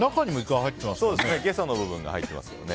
ゲソの部分が入ってます。